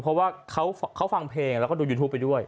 เพราะว่าเขาฟังเพลงแล้วก็ดูยูทูปไปด้วย